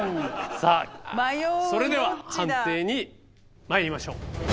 さあそれでは判定にまいりましょう。